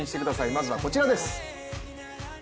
まずはこちらです。